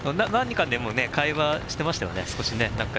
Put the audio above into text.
何か会話してましたよね。